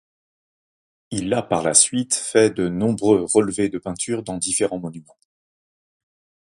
Il a par la suite fait de nombreux relevés de peintures dans différents monuments.